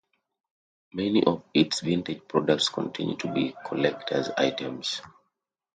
Many of its vintage products continue to be collectors items.